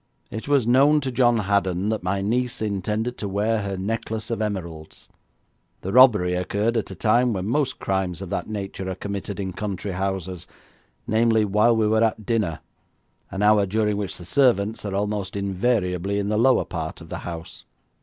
It was known to John Haddon that my niece intended to wear her necklace of emeralds. The robbery occurred at a time when most crimes of that nature are committed in country houses, namely, while we were at dinner, an hour during which the servants are almost invariably in the lower part of the house.